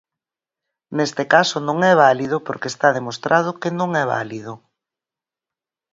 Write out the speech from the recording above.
Neste caso non é válido porque está demostrado que non é válido.